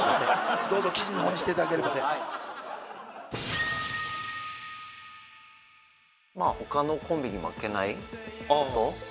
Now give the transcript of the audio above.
どうぞ記事のほうにしていただければほかのコンビに負けないこと？